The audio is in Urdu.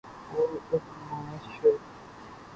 وہ ازماش ہے